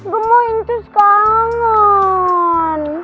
gemoing terus kangen